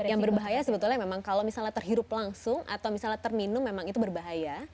yang berbahaya sebetulnya memang kalau misalnya terhirup langsung atau misalnya terminum memang itu berbahaya